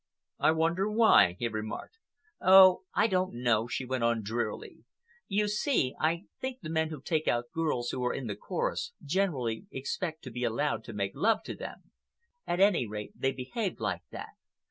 "I wonder why?" he remarked. "Oh, I don't know!" she went on drearily. "You see, I think the men who take out girls who are in the chorus, generally expect to be allowed to make love to them. At any rate, they behaved like that.